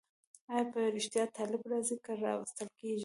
آیا په رښتیا طالب راځي که راوستل کېږي؟